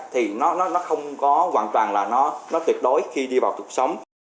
thì nó không có hoàn toàn là nó tuyệt đối khi đi vào cuộc sống